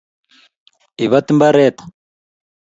ibat imbaret